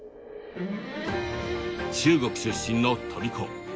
中国出身のとびこ。